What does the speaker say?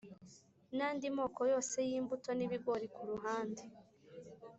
n’andi moko yose y’imbuto, n’ibigori ku ruhande.